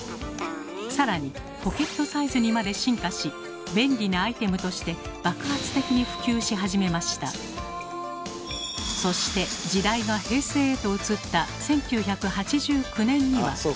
更にポケットサイズにまで進化し便利なアイテムとしてそして時代が平成へと移った１９８９年には。